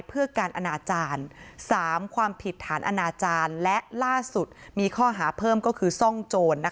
ครอบครัวไม่ได้อาฆาตแต่มองว่ามันช้าเกินไปแล้วที่จะมาแสดงความรู้สึกในตอนนี้